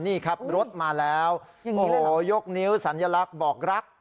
นี่ครับรถมาแล้วโอ้โหยกนิ้วสัญลักษณ์บอกรัก